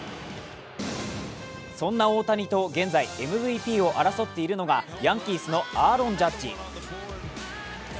そんな大谷と現在、ＭＶＰを争っているのがヤンキースのアーロン・ジャッジ。